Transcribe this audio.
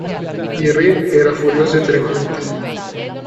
Il re era furioso e tremante.